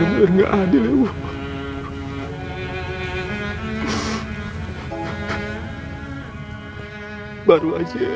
terjebak ager pas ga lebih deket kali itu ya